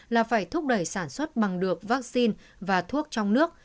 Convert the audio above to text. là phải thúc đẩy sản xuất bằng được vaccine và thuốc trong nước